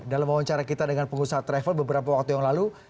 dalam wawancara kita dengan pengusaha travel beberapa waktu yang lalu